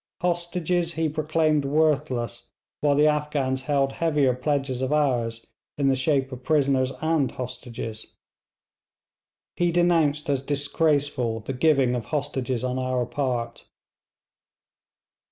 Hostages he proclaimed worthless while the Afghans held heavier pledges of ours in the shape of prisoners and hostages. He denounced as disgraceful the giving of hostages on our part.